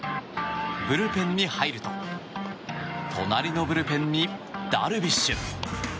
ブルペンに入ると隣のブルペンにダルビッシュ。